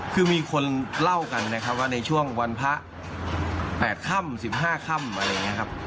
คือมีคนเล่ากันนะครับว่าในช่วงวันพระ๘ค่ำ๑๕ค่ำอะไรอย่างนี้ครับ